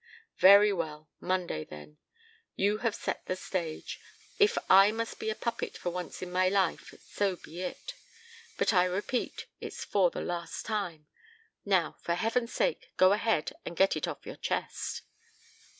"Very well. Monday, then. You have set the stage. If I must be a puppet for once in my life, so be it. But, I repeat, it's for the last time. Now, for heaven's sake, go ahead and get it off your chest."